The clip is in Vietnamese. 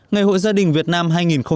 ngày hội gia đình việt nam